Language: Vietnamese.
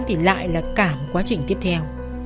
thì lại là cảm quá trình tiếp theo